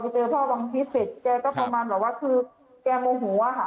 พอไปเจอพ่อบางพิษเสร็จแกก็ประมาณแบบว่าแกโมโหว่าค่ะ